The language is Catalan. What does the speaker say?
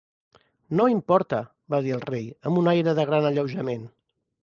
"No importa!", va dir el rei, amb un aire de gran alleujament.